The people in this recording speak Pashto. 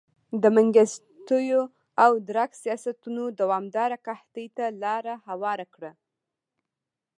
د منګستیو او درګ سیاستونو دوامداره قحطۍ ته لار هواره کړه.